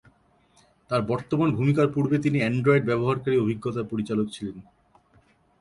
তার বর্তমান ভূমিকার পূর্বে তিনি অ্যান্ড্রয়েড ব্যবহারকারী অভিজ্ঞতার পরিচালক ছিলেন।